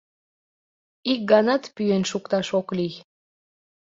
Ик ганат пӱен шукташ ок лий.